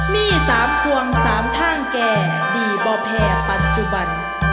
มี่สามฟวงสามท่างแก่ดีบ่แพปัจจุบัน